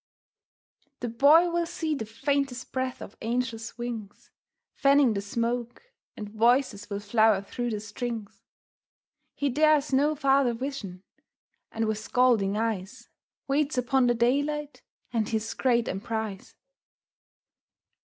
The Boy will see the faintest breath of angels' wings Fanning the smoke, and voices will flower through the strings. He dares no farther vision, and with scalding eyes Waits upon the daylight and his great emprise.